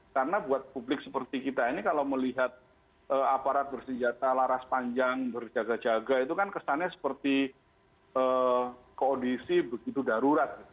karena buat publik seperti kita ini kalau melihat aparat bersenjata laras panjang berjaga jaga itu kan kesannya seperti keodisi begitu darurat gitu